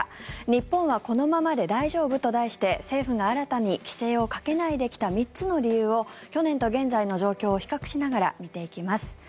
日本はこのままで大丈夫？と題して政府が新たに規制をかけないできた３つの理由を去年と現在の状況を比較しながら見ていきます。